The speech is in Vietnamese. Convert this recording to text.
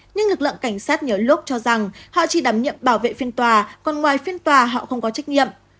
nhưng lực lượng cảnh sát nhiều lốp cho rằng họ chỉ đảm nhiệm bảo vệ phiên tòa còn ngoài phiên tòa họ không có trách nhiệm